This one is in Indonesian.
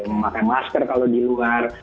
memakai masker kalau di luar